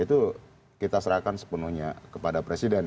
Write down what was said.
itu kita serahkan sepenuhnya kepada presiden